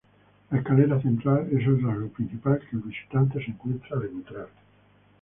La escalera central es el rasgo principal que el visitante se encuentra al entrar.